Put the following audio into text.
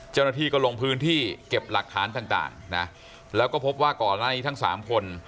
เจ้าหน้าที่ก็ลงพื้นที่เก็บหลักฐานต่างนะแล้วก็พบว่าก่อนหน้านี้ทั้งสามคน